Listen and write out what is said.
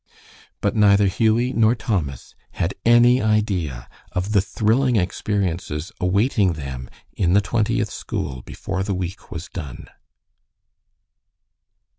But neither Hughie nor Thomas had any idea of the thrilling experiences awaiting them in the Twentieth School before the week was done.